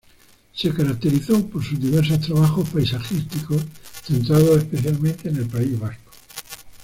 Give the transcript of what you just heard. Se caracterizó por sus diversos trabajos paisajísticos, centrados especialmente en el País Vasco.